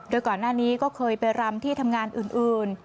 โดยก่อนหน้านี้ก็เคยไปรำที่ทำงานอื่น